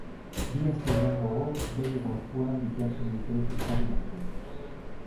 Bi aste beranduago, bere gorpua bilatzen dute ehiztari batzuek.